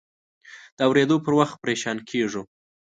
د اورېدو پر وخت پریشان کېږو.